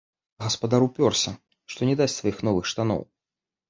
А гаспадар упёрся, што не дасць сваіх новых штаноў.